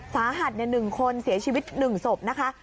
สาหัส๑คนเสียชีวิต๑ศพนะคะ